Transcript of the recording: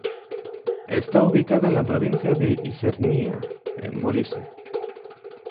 Está ubicada en la provincia de Isernia en Molise.